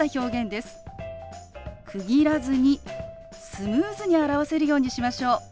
区切らずにスムーズに表せるようにしましょう。